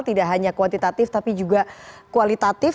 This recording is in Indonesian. tidak hanya kuantitatif tapi juga kualitatif